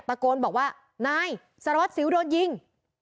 ตะโกนบอกว่านายสารวัตรสิวโดนยิง